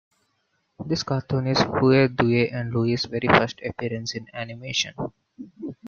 This cartoon is Huey, Dewey, and Louie's very first appearance in animation.